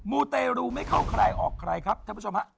ูเตรูไม่เข้าใครออกใครครับท่านผู้ชมฮะ